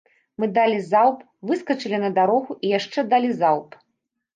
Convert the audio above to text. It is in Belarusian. Мы далі залп, выскачылі на дарогу і яшчэ далі залп.